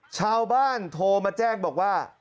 ชาวบ้านโทรมาแจ้งบอกว่า